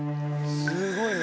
すごい緑。